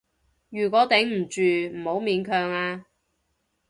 如果頂唔住，唔好勉強啊